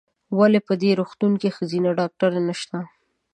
ولې په دي روغتون کې ښځېنه ډاکټره نشته ؟